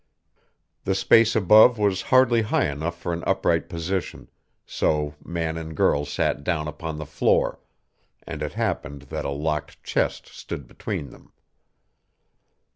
The space above was hardly high enough for an upright position, so man and girl sat down upon the floor, and it happened that a locked chest stood between them.